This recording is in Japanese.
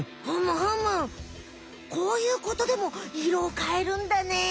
ふむふむこういうことでも色を変えるんだね。